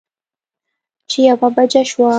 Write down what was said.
چې يوه بجه شوه